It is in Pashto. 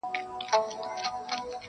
په زګېروي مي له زلمیو شپو بېلېږم-